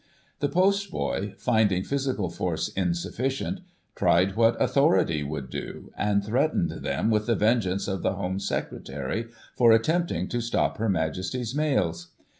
The post boy, finding physical force insufficient, tried what authority would do, and threatened them with the vengeance of the Home Secretary, for attempt ing to stop Her Majesty's mails.